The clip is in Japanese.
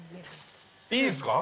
いいんすか？